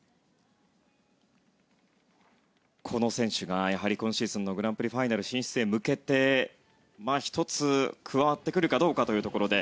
この選手がやはり今シーズンのグランプリシリーズ進出へ向けて１つ加わってくるかというところで